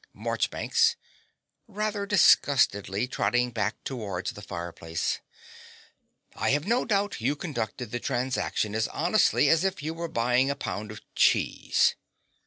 MARCHBANKS (rather disgustedly, trotting back towards the fireplace). I have no doubt you conducted the transaction as honestly as if you were buying a pound of cheese.